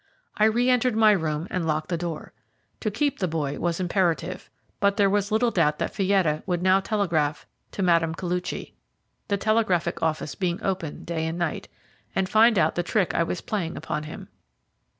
I re entered my room and locked the door. To keep the boy was imperative, but there was little doubt that Fietta would now telegraph to Mme. Koluchy (the telegraphic office being open day and night) and find out the trick I was playing upon him.